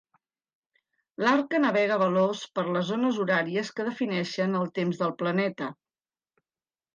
L'Arca navega veloç per les zones horàries que defineixen el temps del planeta.